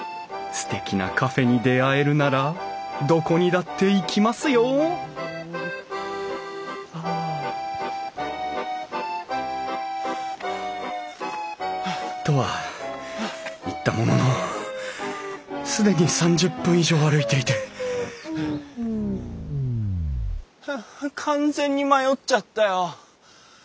すてきなカフェに出会えるならどこにだって行きますよ！とは言ったものの既に３０分以上歩いていてはあ完全に迷っちゃったよ。